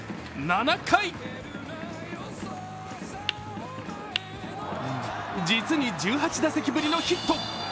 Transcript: ７回実に１８打席ぶりのヒット。